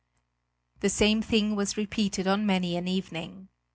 The same thing was repeated on many an evening.